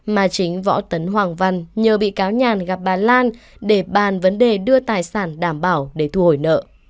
mà chính võ tấn hoàng văn nhờ bị cáo nhàn gặp bà lan để bàn vấn đề đưa tài sản đảm bảo để thu hồi nợ